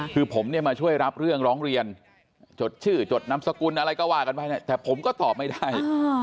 คือผมเนี่ยมาช่วยรับเรื่องร้องเรียนจดชื่อจดนามสกุลอะไรก็ว่ากันไปแต่ผมก็ตอบไม่ได้